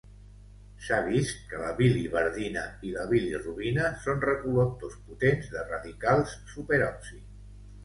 S'ha vist que la biliverdina i la bilirubina són recol·lectors potents de radicals superòxid.